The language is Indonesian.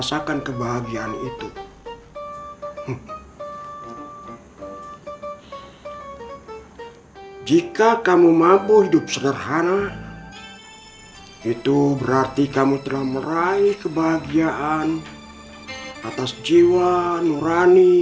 sampai jumpa di video selanjutnya